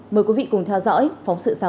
mời quý vị cùng theo dõi phóng sự sau